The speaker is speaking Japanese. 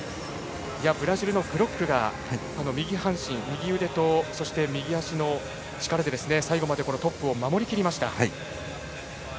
ブラジルのグロックが右半身、右腕とそして右足の力で最後までトップを守りきりました。